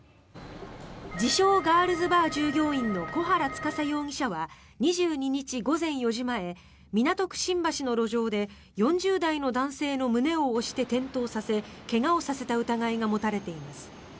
自称・ガールズバー従業員の小原司容疑者は２２日午前４時前港区新橋の路上で４０代の男性の胸を押して転倒させ怪我をさせた疑いが持たれています。